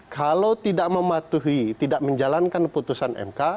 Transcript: kalau tidak mematuhi tidak menjalankan putusan mk